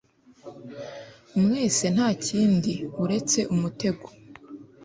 Mwese ntakindi uretse umutego